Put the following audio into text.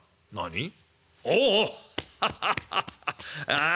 ああ！